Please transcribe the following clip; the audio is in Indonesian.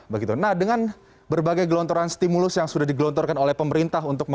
begitu nah dengan berbagai gelontoran stimulus yang sudah digelontorkan oleh pemerintah